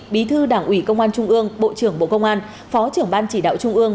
bí thư đảng ủy công an trung ương bộ trưởng bộ công an phó trưởng ban chỉ đạo trung ương